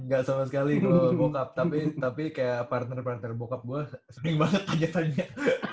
gak sama sekali gue bokap tapi kayak partner partner bokap gue sering banget tanya tanya